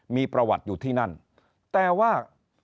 มีประวัติอยู่ที่นั่นแต่ว่า